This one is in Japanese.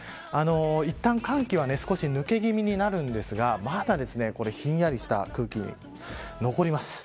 いったん寒気は少し抜け気味になるんですがまだひんやりした空気残ります。